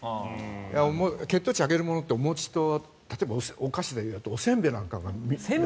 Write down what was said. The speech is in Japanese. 血糖値を上げるものはお餅と、例えばお菓子で言うとおせんべいなんかが。